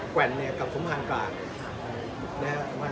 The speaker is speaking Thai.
ขวัญกับสมหารกลาง